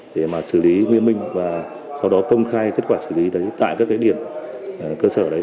để mà xử lý nguyên minh và sau đó công khai kết quả xử lý tại các địa điểm cơ sở đấy